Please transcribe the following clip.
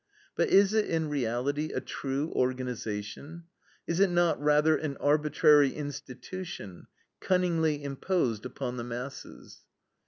But is it in reality a true organization? Is it not rather an arbitrary institution, cunningly imposed upon the masses?